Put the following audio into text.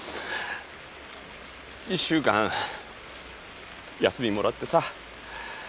１週間休みもらってさ